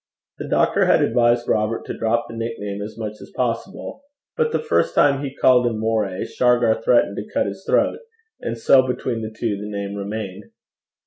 The doctor had advised Robert to drop the nickname as much as possible; but the first time he called him Moray, Shargar threatened to cut his throat, and so between the two the name remained.